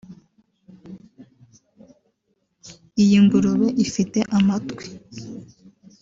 Iyi ngurube ifite amatwi